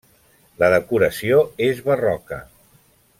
La decoració és barroca.